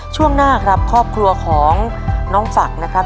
ช่วงหน้าครับครอบครัวของน้องฝักนะครับ